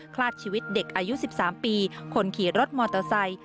คลาดชีวิตเด็กอายุ๑๓ปีคนขี่รถมอเตอร์ไซค์